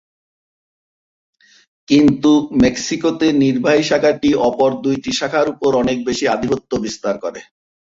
কিন্তু মেক্সিকোতে নির্বাহী শাখাটি অপর দুইটি শাখার উপর অনেক বেশি আধিপত্য বিস্তার করে।